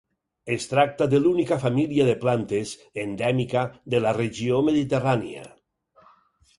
Es tracta de l'única família de plantes endèmica de la regió mediterrània.